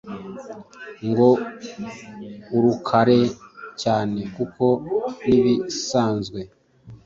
ngo urakare cyane kuko nibisanzwe